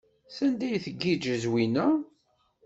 Sanda ad tgiǧǧ Zwina?